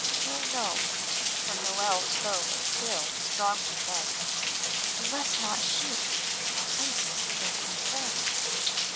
No, no," for Noel's bow was still strongly bent, "you must not shoot. Malsunsis think we friends."